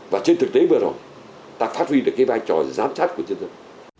và trên thực tế vừa rồi ta phát huy được cái vai trò giám sát của nhân dân